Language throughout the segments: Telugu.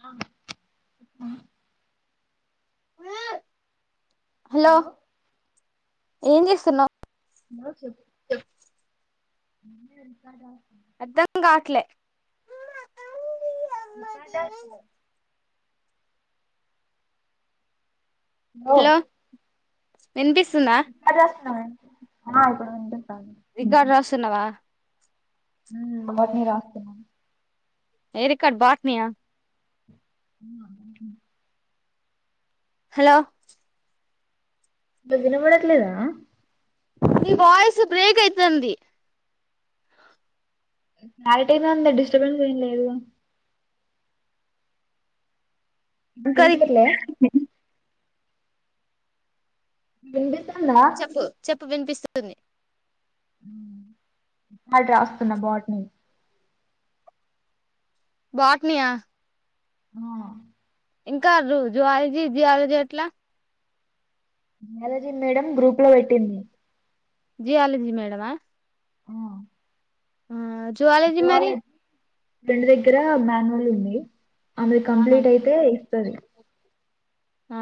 ఆ హలో ఏం జేస్తున్నవ్ హలో చెప్పు [unintelligible] అర్ధం గాట్లే రికార్డ్ రాస్తున్నా హలో వినిపిస్తుందా ఉప్మా జేస్తున్నానే ఆ ఇప్పుడు వద్దు రికార్డు రాస్తున్నావా ఉమ్ బాట్ని రాస్తున్నా ఏ రికార్డు బాట్నియా అ [inaudible] హలో వినబడట్లేదా నీ వాయిస్ బ్రేక్ అయితుంది క్లారిటీగా ఉంది డిస్టబెన్స్ ఏం లేదుగా గరి వినిపియట్లే [unintelligible] వినిబి చెప్పు చెప్పు వినిపిస్తుంది రికార్డు రాస్తున్న బాటిని బాట్నియా ఆ ఇంకా జువాలజీ జియాలజీ ఎట్లా జియాలజీ మేడం గ్రూప్ లో బెట్టింది జియాలజీ మేడమా ఆ ఆ జువాలజీ మరి ఫ్రెండ్ దగ్గర మాన్యువల్ ఉంది ఆమెది ఆహా కంప్లీట్ అయితే ఇస్తది ఆ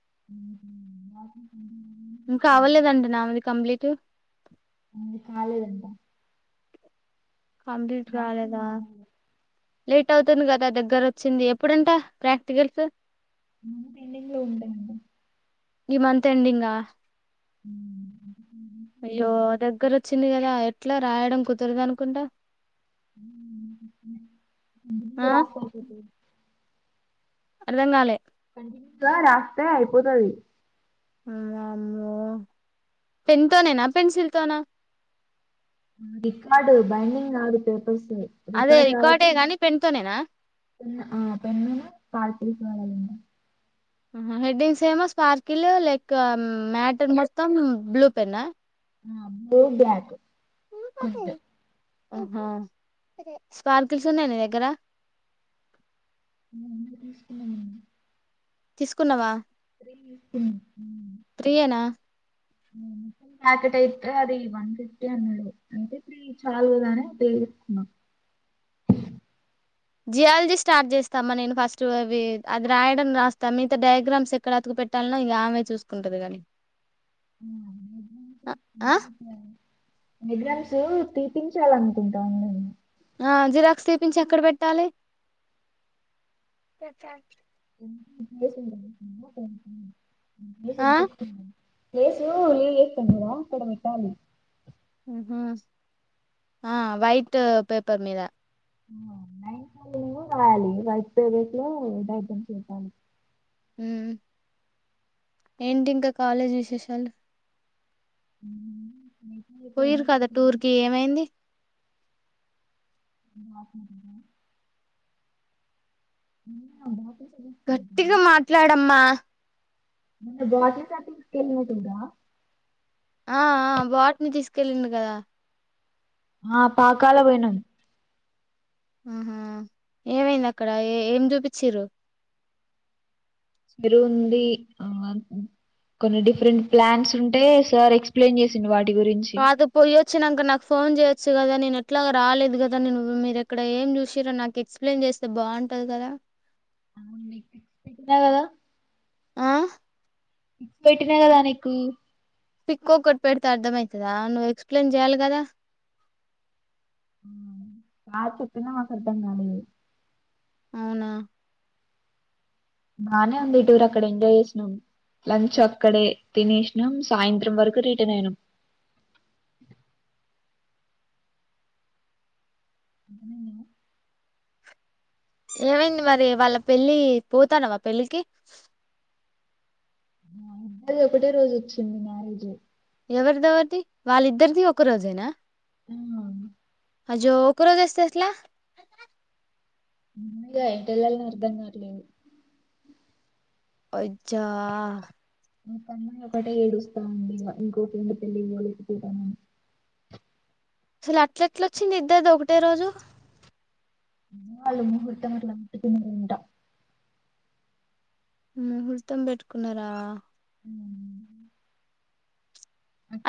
[inaudible] ఇంకా అవ్వలేదంట ఆమెది కంప్లీటు ఆమెది కాలేదంటా కంప్లీట్ కాలేదా రాస్తున్నాను. లేట్ అవుతుంది గదా దగ్గర వచ్చింది ఎప్పుడంట ప్రాక్టికల్స్ ఈ మంత్ ఎండింగ్ లో ఉంట ఏమో ఈ మంత్ ఎండింగా అయ్యో దగ్గరోచ్చింది గా ఎట్లా రాయడం కుదరదు అనుకుంటా ఆ [unintelligible] రాసుకొని చూపి అర్థంగాలే కంటిన్యూ గా రాస్తే అయిపోతది అమ్ వామ్మో పెన్ తోనేనా పెన్సిల్ తోనా రికార్డు బెండింగ్ కాదు పెప్ అదే రికార్డు రికార్డే కావట్టి గాని పెన్ తోనేనా హ్ ఆ పెన్నును పా వడలిన్న ఆహా హెడ్డింగ్స్ ఏమో స్పార్కిల్ లేక్ మ్యాటర్ మొత్తం బ్లూ పెన్నా ఆ బ్లూ బ్లాక్ కొంచం హా స్పార్కిల్స్ ఉన్నాయ నీ దగ్గర ఎంత తీసుకున్నా [unintelligible] తీసుకున్నావా త్రీ తీసుకున్ త్రీయేనా ప్యాకెట్ అయితే అది వన్ ఫిఫ్టీ అన్నాడు అయితే త్రీ చాలుగదాని త్రీ అ జియాలజీ స్టార్ట్ చేస్తామా నేను ఫస్ట్ అవి అది రాయడం రాస్తా మగతా డయాగ్రామ్స్ ఎక్కడతుకు ట్టాల్ ఇగ ఆమె చూసుకుంటది గా ఆ ఎగ్జామ్స్ తీపించాలనుకుంటా ఉండా ఆ జిరాక్స్ తీపించి ఎక్కడ పెట్టాలి ప్లేస్ ఆ ఏసు లీవ్ చేస్తుంది గా అక్కడ పెట్టాలి ఆహా వైట్ పేపర్ మీద [unintelligible] రాయాలి వైట్ పేజెస్ లో డయాగ్రమ్స్ ఏద్ధం ఉహ్ ఏంటి ఇంకా కాలేజ్ విశేషాలు హ పోయిరు కదా టూర్ కి ఏమైంది ఆ [unintelligible] గట్టిగా మాట్లాడమ్మా మ బాకీసాస్కేళ్ళేది ఉందా ఆ ఆ బాట్నీ తీసుకెళ్ళిడు కదా ఆ పాకాల పోయినాం ఆహా ఏమైంది అక్కడ ఏ ఏం చూపిచిర్రు చెరువుంది ఆ కొన్ని డిఫరెంట్ ప్లాంట్స్ ఉంటే సార్ ఎక్స్ప్లెయిన్ చేసిండు వాటి గురించి అది పోయో వచ్చినంక నాకు ఫోన్ చేయొచ్చు కదా నేను ఎట్లాగా రాలేదు కదా నే మీరు ఎక్కడ ఏం చూసిర్రో నాకు ఎక్ప్లయిన్ చే స్తే బాగుంటది కదా అవున్ నిక్ పీక్ పెట్టినకదా ఆహ్ పెట్టినకదా నీకు పిక్కోక్కట్ పెడితే అర్థం అయితాదా నువ్వు ఎక్స్ప్లెయిన్ చెయ్యాలి కదా ఆ చెప్పినా మాక్ అర్థంగాలే అవునా బానే ఉంది టూర్ అక్కడ ఎంజాయ్ చేసినం లంచ్ ఆక్కడే తినేసినాం సాయంత్రం వరకు రిటర్న్ అయినాం అతనేనా ఏమైంది మరి వాళ్ళ పెళ్ళి పోతన్నవా పెళ్ళికి ద్దది ఒకటే రోజు వచ్చింది మ్యారేజ్ ఎవరిది ఎవరిది వాళ్ళిద్దరిది ఒక రోజేనా ఆ హ జో ఒక్క రోజు ఇస్తే ఎట్ల [unintelligible] ఎటు ఏళ్లలో అర్థం గట్లేదు అయ్చ ఒక అమ్మాయి ఒకటే ఏడుస్తా ఉంది ఇక ఇంకోటిండు పెళ్ళలి ఇవ్వలేకపోతానని స్సల్ అట్ల ఎట్లొచ్చింది ఇద్దరిది ఒకటే రోజు ఏమో వాళ్ళ ముహూర్తం అట్ల కుదిరిందట ముహూర్తం పెట్టుకున్నారా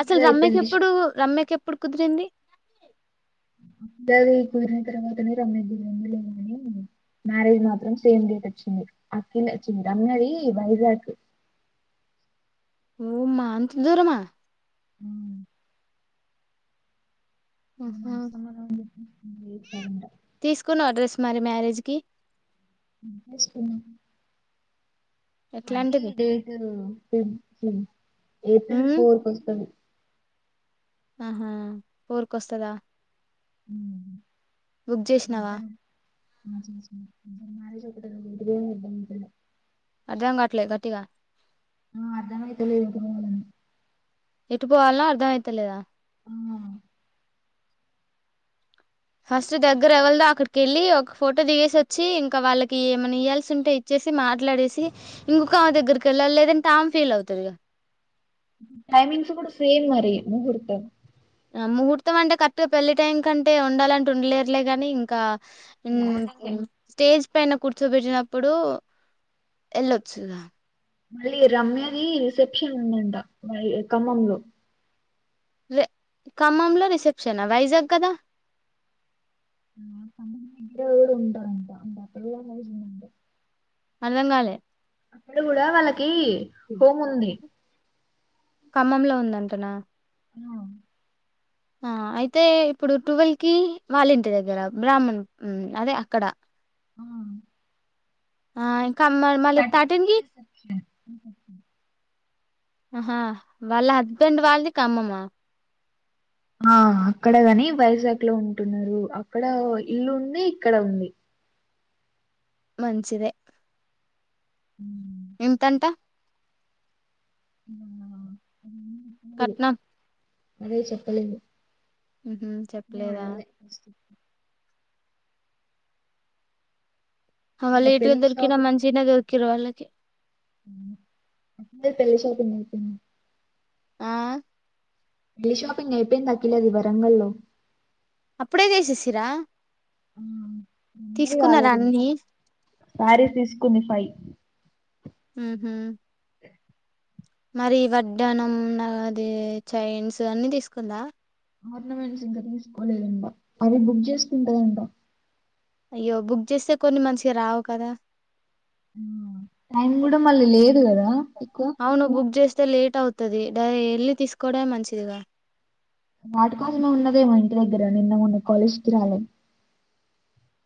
అసలు రమ్యక్ అయిపోయింది. ఎప్పుడు రమ్యకు ఎప్పుడు కుదిరింది ధరణి కి కుదిరిన తర్వాతనే రమ్య కి కుదిరింది [unintelligible] మ్యారేజ్ మాత్రం సేమ్ డేట్ వచ్చింది అఖిల్ వచ్చింది రమ్య ది వైజాగ్ ఓ మ్మ అంత దూరమా అవున్ ఏం ఆహా మనసున్నదండి ఈ టైమ్ ల తీసుకున్నావా డ్రెస్ మరి మ్యారేజ్ కి మ్యారేజ్ కి ఏళ్ళను అదే ఎట్లాంటిది డేటు మ్మ్ మ్మ్ ఏప్రిల్ ఉమ్ ఫోర్ క వస్తది ఆహా ఫోర్ క వస్తద హ్మ్ బుక్ చేసినావా [inaudible] అర్ధం కట్లే గట్టిగా ఆ అర్ధం అయితలేదు [unintelligible] ఎటు పోవాల అర్థం అయితలేదా ఆ ఫస్ట్ దగ్గర ఎవ్వలదా అక్కడ కెళ్ళి ఒక ఫోటో దిగేసి వచ్చి ఇంకా వాళ్ళకి ఏమనా ఇయాల్సి ఉంటే ఇచ్చేసి మాట్లాడేసి ఇంగు గొ ఆమె దగ్గరికి వెళ్ళాల లేదంటే ఆమే ఫీల్ అయితది ఇగ టైమింగ్స్ కూడా సేమ్ మరి ముహూర్తం ఆ ముహూర్తం అంటే కక్ట్గా పెళ్ళి టైం కంటే ఉండాలంటే ఉండలేర్లే గాని ఇంకా మ్మ్ మార్నింగే మ్మ్ స్టేజ్ పైన కూర్చోబెట్టినప్పుడు వెళ్ళొచ్చు గ మళ్ళీ రమ్యది రిసెప్షన్ ఉందంట మరి ఖమ్మంలో దే ఖమ్మంలో రిసెప్షనా వైజాగ్ కదా ఆ కమ్మం లో [unintelligible] అక్కడ కూడా నైట్ ఉందట అర్ధం గాలే అక్కడ కూడా వాళ్ళకి హోమ్ ఉంది ఖమ్మంలో ఉందంటనా ఆ ఆ అయితే ఇప్పుడు టుల్వ్ కి వాలింటీ దగ్గర బ్రాహ్మణ్ అదే అక్కడ ఆ ఆ ఇన్ థర్టీ కి రిసప్షన్ ఆహా వాళ్ళ హస్బెండ్ వాళ్ళది కమ్మమ ఆ అక్కడ కాని వైజాగ్ లో ఉంటున్నారు అక్కడ ఇల్లు ఉంది ఇక్కడ ఉంది మంచిదే మ్మ్ ఎంతంటా అవునా కట్నా అదే చెప్పలేము మ్ హూ చెప్పలేదా ఆ లేట్ గా పెళ్లి దొరికిన మంచిగనే దొర్కిరు వాళ్ళకి మ్ తెలిసి అయిపోయిందనుకుంట ఆ దిల్ షాపింగ్ అయిపోయిందా కిలో ది వరంగల్ లో అప్పుడే చేసేసిరా మ్ [unintelligible] తీసుకున్నారా కాలేదు అన్ని శారీస్ తీసుకొని ఫై మ్ హూ మరి వడ్డానం నాది చైన్స్ అన్ని తీసుకుందా ఆర్నమెంట్స్ ఇంకా తీసుకోలేదంట అది బుక్ చేసుకుంటదంటా అయ్యో బుక్ చేస్తే కొన్ని మంచిగా రావు కదా మ్ టైం కూడా మళ్ళీ లేదు కదా ఎక్కువ అవును బుక్ చేస్తే లేట్ అవుతది డ యెళ్ళి తీసుకోవడమే మంచిదిగా మాటకోసమే ఉన్నదేమో ఇంటి దగ్గర నిన్న మొన్న కాలేజ్కి రాలే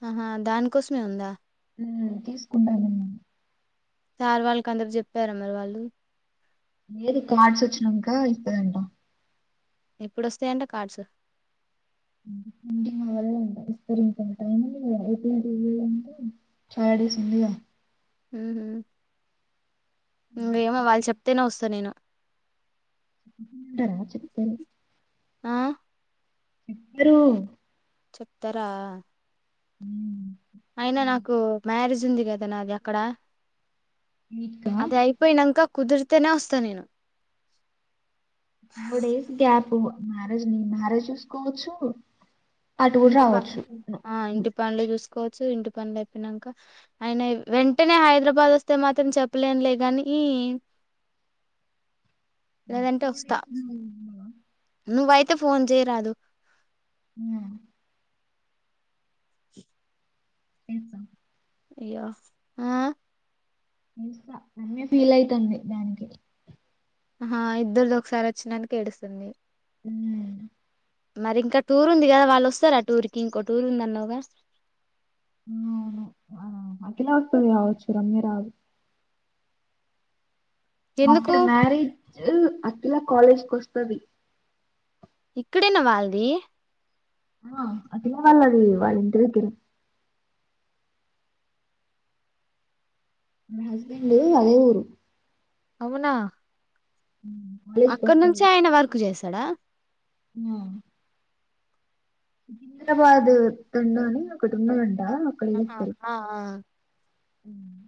ఆహా దానికోసమే ఉందా మ్ తీసుకుంటాం సార్ వాళ్ళకి అందరకి చెప్పారా మరి వాళ్ళు లేదు కార్డ్స్ వచ్చనాంకా ఇస్తదంటా ఎప్పుడు ఒస్తాయ్ అంట కార్డ్స్ [unintelligible] ఇస్తారు ఇంకెంత టైంని [unintelligible] చాల్ డేస్ ఉంది కదా ఉహూ ఇంగేమో వాళ్ళు చెప్తేనే వస్తా నేను చెప్పకుండ ఉంటరా చెప్తరు ఆ చెప్తరు చెప్తారా హ్మ్ అయినా నాకు మ్యారేజ్ ఉంది కదా నాది అక్కడ నీట్‌గా అది అయిపోయినాంక కుదిరితేనే వస్తా నేను ఇంగో డేస్ గ్యాప్ మ్యారేజ్ ని మ్యారేజ్ చూసుకోవచ్చు అటు గూడా ఇంటిపా రావచ్చు. ను ఆ ఇంటి పనులు చూసుకోవచ్చు ఇంటి పనులు అయిపోయినాంక ఆయన వెంటనే హైదరాబాద్ వస్తే మాత్రం చెప్పలేను లే గానీ లేదంటే ఫోర్ వస్తా డేస్లో నువ్వు ఉన్నవా నువ్వైతే ఫోన్ చేయరాదు మ్మ్ చేస్తా. యో ఆ చూసా [unintelligible] ఫీల్ అయితుంది దానికి ఆహా ఇద్దరిది ఒకసారే వచ్చినందుక ఏడుస్తుంది హ్మ్. మరి ఇంకా టూర్ ఉంది కదా వాళ్ళు ఒస్తారా టూర్ కి ఇంకో టూర్ ఉంది అన్నవ్ గా హ్మ్ అఖిల ఒకటే రావోచు రమ్య రాదు ఎందుకు ఆఫ్టర్ మ్యారేజ్ అఖిల కాలేజ్ కొస్తది ఇక్కడేనా వాల్ది ఆ అఖిలా వళ్ళాది వాళ్ళ ఇంటి దగ్గరే మా హస్బెండ్ అదే ఊరు అవునా హ్మ్. అక్కడ నుంచి కాలేజ్‌కొస్తది. ఆయన వర్క్ చేస్తడా ఆ కింద్రారాబాద్ తండని ఒకటున్నాద ఆ అ ఉమ్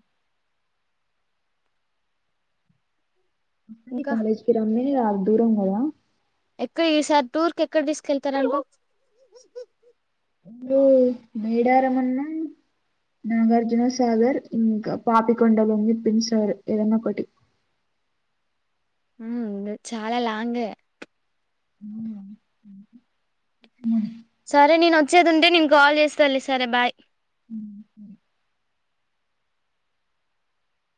అ ఇంకా కాలేజ్కి రమ్మే అర్దూరం గదా కు ఈ సార్ టూర్ కెక్కడకితీస్ కెల్తరంట మ్లో మేడారమన్నా నాగార్జునసాగర్ ఇంకా పాపికొండలన్ చెప్పిండు సర్ ఏదన్నా ఒకటి ఉమ్ ఇంగ చాలా లాంగ్ ఎ అవునా సరే నేను వచ్చేదింటే నేను కాల్ చేస్తలి సరే బాయ్